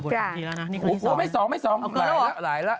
บวชทางเกียร์นะนี่คนที่สองน่ะเอาเกินแล้วหรือ